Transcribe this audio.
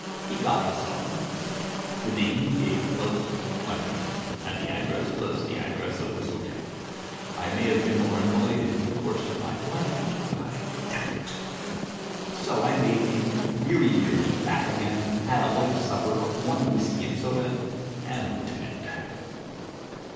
He got his sovereign. The name he gave was Leonard, and the address was the address of this hotel. I may have been more annoyed in the course of my life, but I doubt it. So I made the weary journey back again, had a light supper of one whisky and soda, and went to bed.'